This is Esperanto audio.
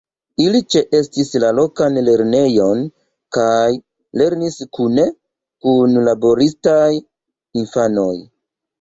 Ili ĉeestis la lokan lernejon kaj lernis kune kun laboristaj infanoj.